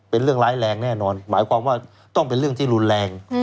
เป็นเรื่องร้ายแรงแน่นอนหมายความว่าต้องเป็นเรื่องที่รุนแรง